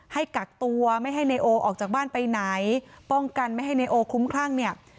ให้กักตัวไม่ให้นายโอออกจากบ้านไปไหนป้องกันไม่ให้นายโอคลุ้มคลั่งเนี่ย